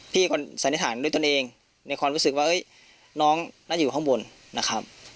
คนก็สันนิษฐานด้วยตนเองในความรู้สึกว่าน้องน่าจะอยู่ข้างบนนะครับ